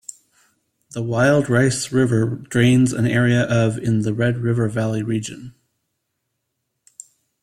The Wild Rice River drains an area of in the Red River Valley region.